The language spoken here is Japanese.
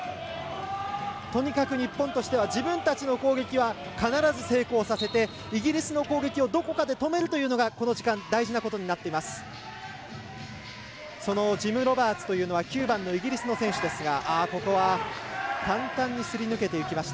とにかく日本としては自分たちの攻撃は必ず成功させてイギリスの攻撃をどこかで止めるというのがこの時間大事なことになっています。